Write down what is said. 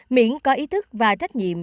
miễn có ý thức và trách nhiệm